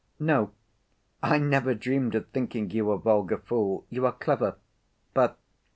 "No, I never dreamed of thinking you a vulgar fool. You are clever but